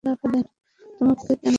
তোমাকে কেন বলব?